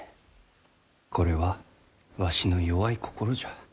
これはわしの弱い心じゃ。